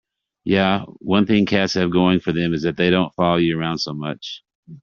Yeah, one thing cats have going for them is that they don't follow you around so much.